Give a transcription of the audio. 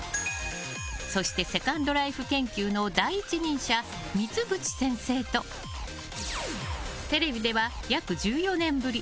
そして、セカンドライフ研究の第一人者、三淵先生とテレビでは約１４年ぶり